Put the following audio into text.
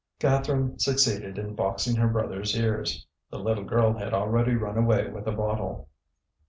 Catherine succeeded in boxing her brother's ears; the little girl had already run away with a bottle.